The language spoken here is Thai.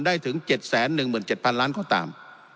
ถึง๗๑๗๐๐ล้านก็ตาม